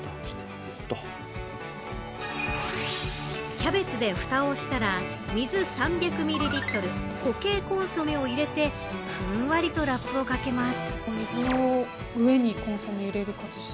キャベツでふたをしたら水３００ミリリットル固形コンソメを入れてふんわりとラップをかけます。